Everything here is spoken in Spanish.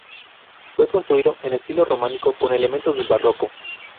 Fue construido en estilo románico con elementos del barroco.